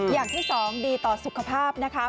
อย่างที่สองดีต่อสุขภาพนะคะ